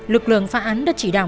lực lượng phá án đã chỉ đào